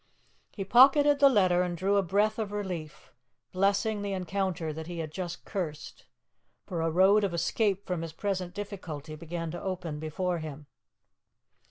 He pocketed the letter and drew a breath of relief, blessing the encounter that he had just cursed, for a road of escape from his present difficulty began to open before him.